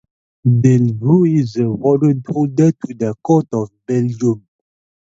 Delvaux is a warrant holder to the Court of Belgium.